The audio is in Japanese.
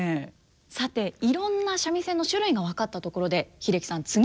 さていろんな三味線の種類が分かったところで英樹さん次は？